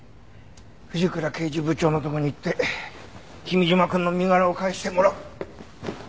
藤倉刑事部長のとこに行って君嶋くんの身柄を返してもらう。